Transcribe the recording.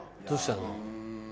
どうしたの？